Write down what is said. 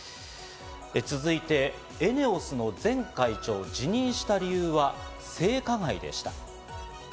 続いて、ＥＮＥＯＳの前会長、辞任した理由は性加害でした。